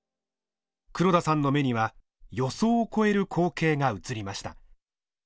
黒田さんの目には予想を超える光景が映りました。